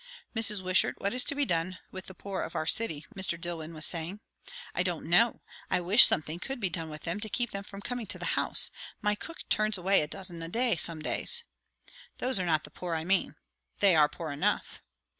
"Mrs. Wishart, what is to be done with the poor of our city?" Mr. Dillwyn was saying. "I don't know! I wish something could be done with them, to keep them from coming to the house. My cook turns away a dozen a day, some days." "Those are not the poor I mean." "They are poor enough."